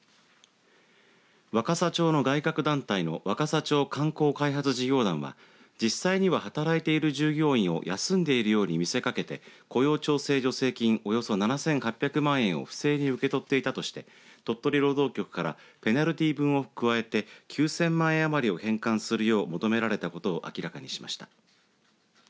若桜町の外郭団体の若桜町観光開発事業団は実際には働いている従業員を休んでいるように見せかけて雇用調整助成金およそ７８００万円を不正に受け取っていたとして鳥取労働局からペナルティー分を加えて９０００万円余りを返還するよう求められたことを明らかにしました。